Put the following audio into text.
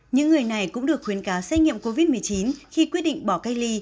những người này cũng được khuyến cáo xét nghiệm covid một mươi chín khi quyết định bỏ cách ly